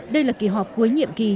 đây là kỳ họp cuối nhiệm kỳ